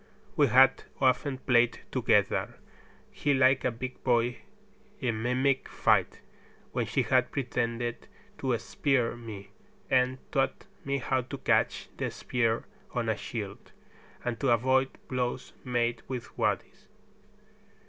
We had often played together he like a big boy in mimic fight, when he had pretended to spear me, and taught me how to catch the spear on a shield, and to avoid blows made with waddies.